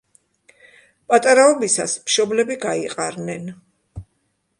პატარაობისას, მშობლები გაიყარნენ.